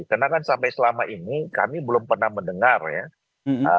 karena kan sampai selama ini kami belum pernah mendengar ya